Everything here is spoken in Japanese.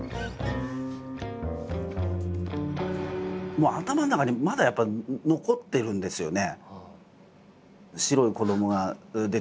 もう頭の中にまだやっぱり残ってるんですよね。